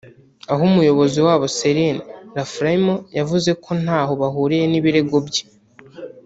aho umuyobozi wawo Céline Laflamme yavuze ko ntaho bahuriye n’ibirego bye